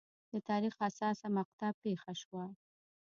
د تاریخ حساسه مقطعه پېښه شوه.